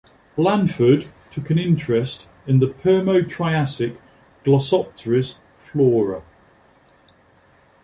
Blanford took an interest in the Permo-Triassic Glossopteris flora.